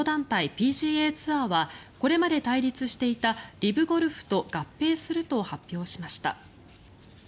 ＰＧＡツアーはこれまで対立していたＬＩＶゴルフと合併すると発表しました。